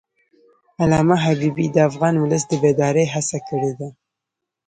علامه حبیبي د افغان ولس د بیدارۍ هڅه کړې ده.